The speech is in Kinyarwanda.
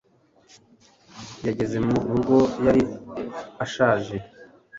Yageze mu rugo, yari ashaje